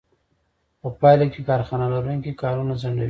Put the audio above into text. په پایله کې کارخانه لرونکي کارونه ځنډوي